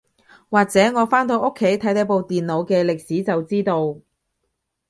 或者我返到屋企睇睇部電腦嘅歷史就知道